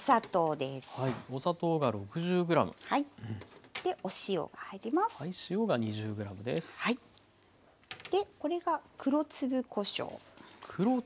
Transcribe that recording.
でこれが黒粒こしょう。